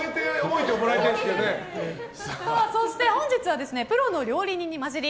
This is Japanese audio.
そして、本日はプロの料理人に交じり